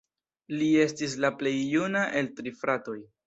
Li estis la plej juna el tri fratoj.